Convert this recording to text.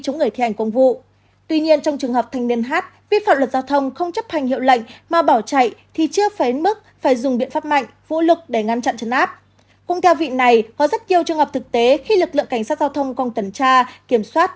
cùng theo vị này có rất nhiều trường hợp thực tế khi lực lượng cảnh sát giao thông không tần tra kiểm soát